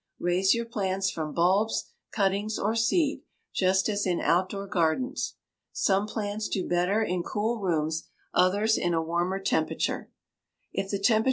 Raise your plants from bulbs, cuttings, or seed, just as in outdoor gardens. Some plants do better in cool rooms, others in a warmer temperature. [Illustration: FIG.